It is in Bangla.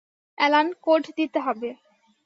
অ্যালান, কোড দিতে হবে।